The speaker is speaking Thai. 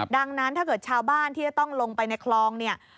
ดังนั้นถ้าเกิดชาวบ้านที่จะต้องลงไปในคลองเนี่ย